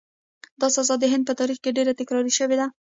دا سزا د هند په تاریخ کې ډېره تکرار شوې ده.